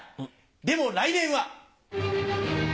でも来年は。